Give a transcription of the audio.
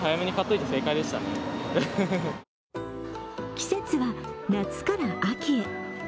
季節は夏から秋へ。